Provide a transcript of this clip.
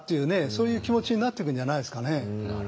そういう気持ちになってくんじゃないですかね。